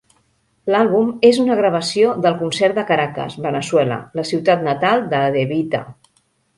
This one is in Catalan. L'àlbum és una gravació del concert de Caracas, Veneçuela, la ciutat natal de De Vita.